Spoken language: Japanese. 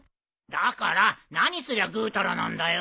だから何すりゃぐうたらなんだよ。